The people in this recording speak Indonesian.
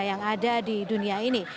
yang ada di dunia ini